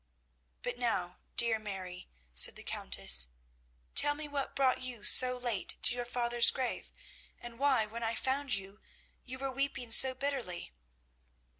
"But now, dear Mary," said the Countess, "tell me what brought you so late to your father's grave, and why, when I found you, you were weeping so bitterly."